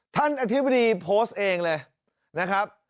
อธิบดีโพสต์เองเลยนะครับ